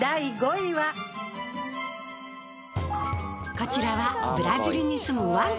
こちらはブラジルにすむワンちゃん。